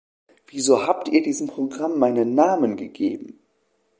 Wieso habt Ihr diesem Programm meinen Namen gegeben?